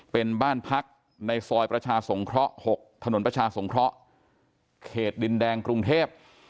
เป็นบ้านพักในซอยประชาสงเคราะห์๖ถนนประชาสงเคราะห์เขตดินแดงกรุงเทพ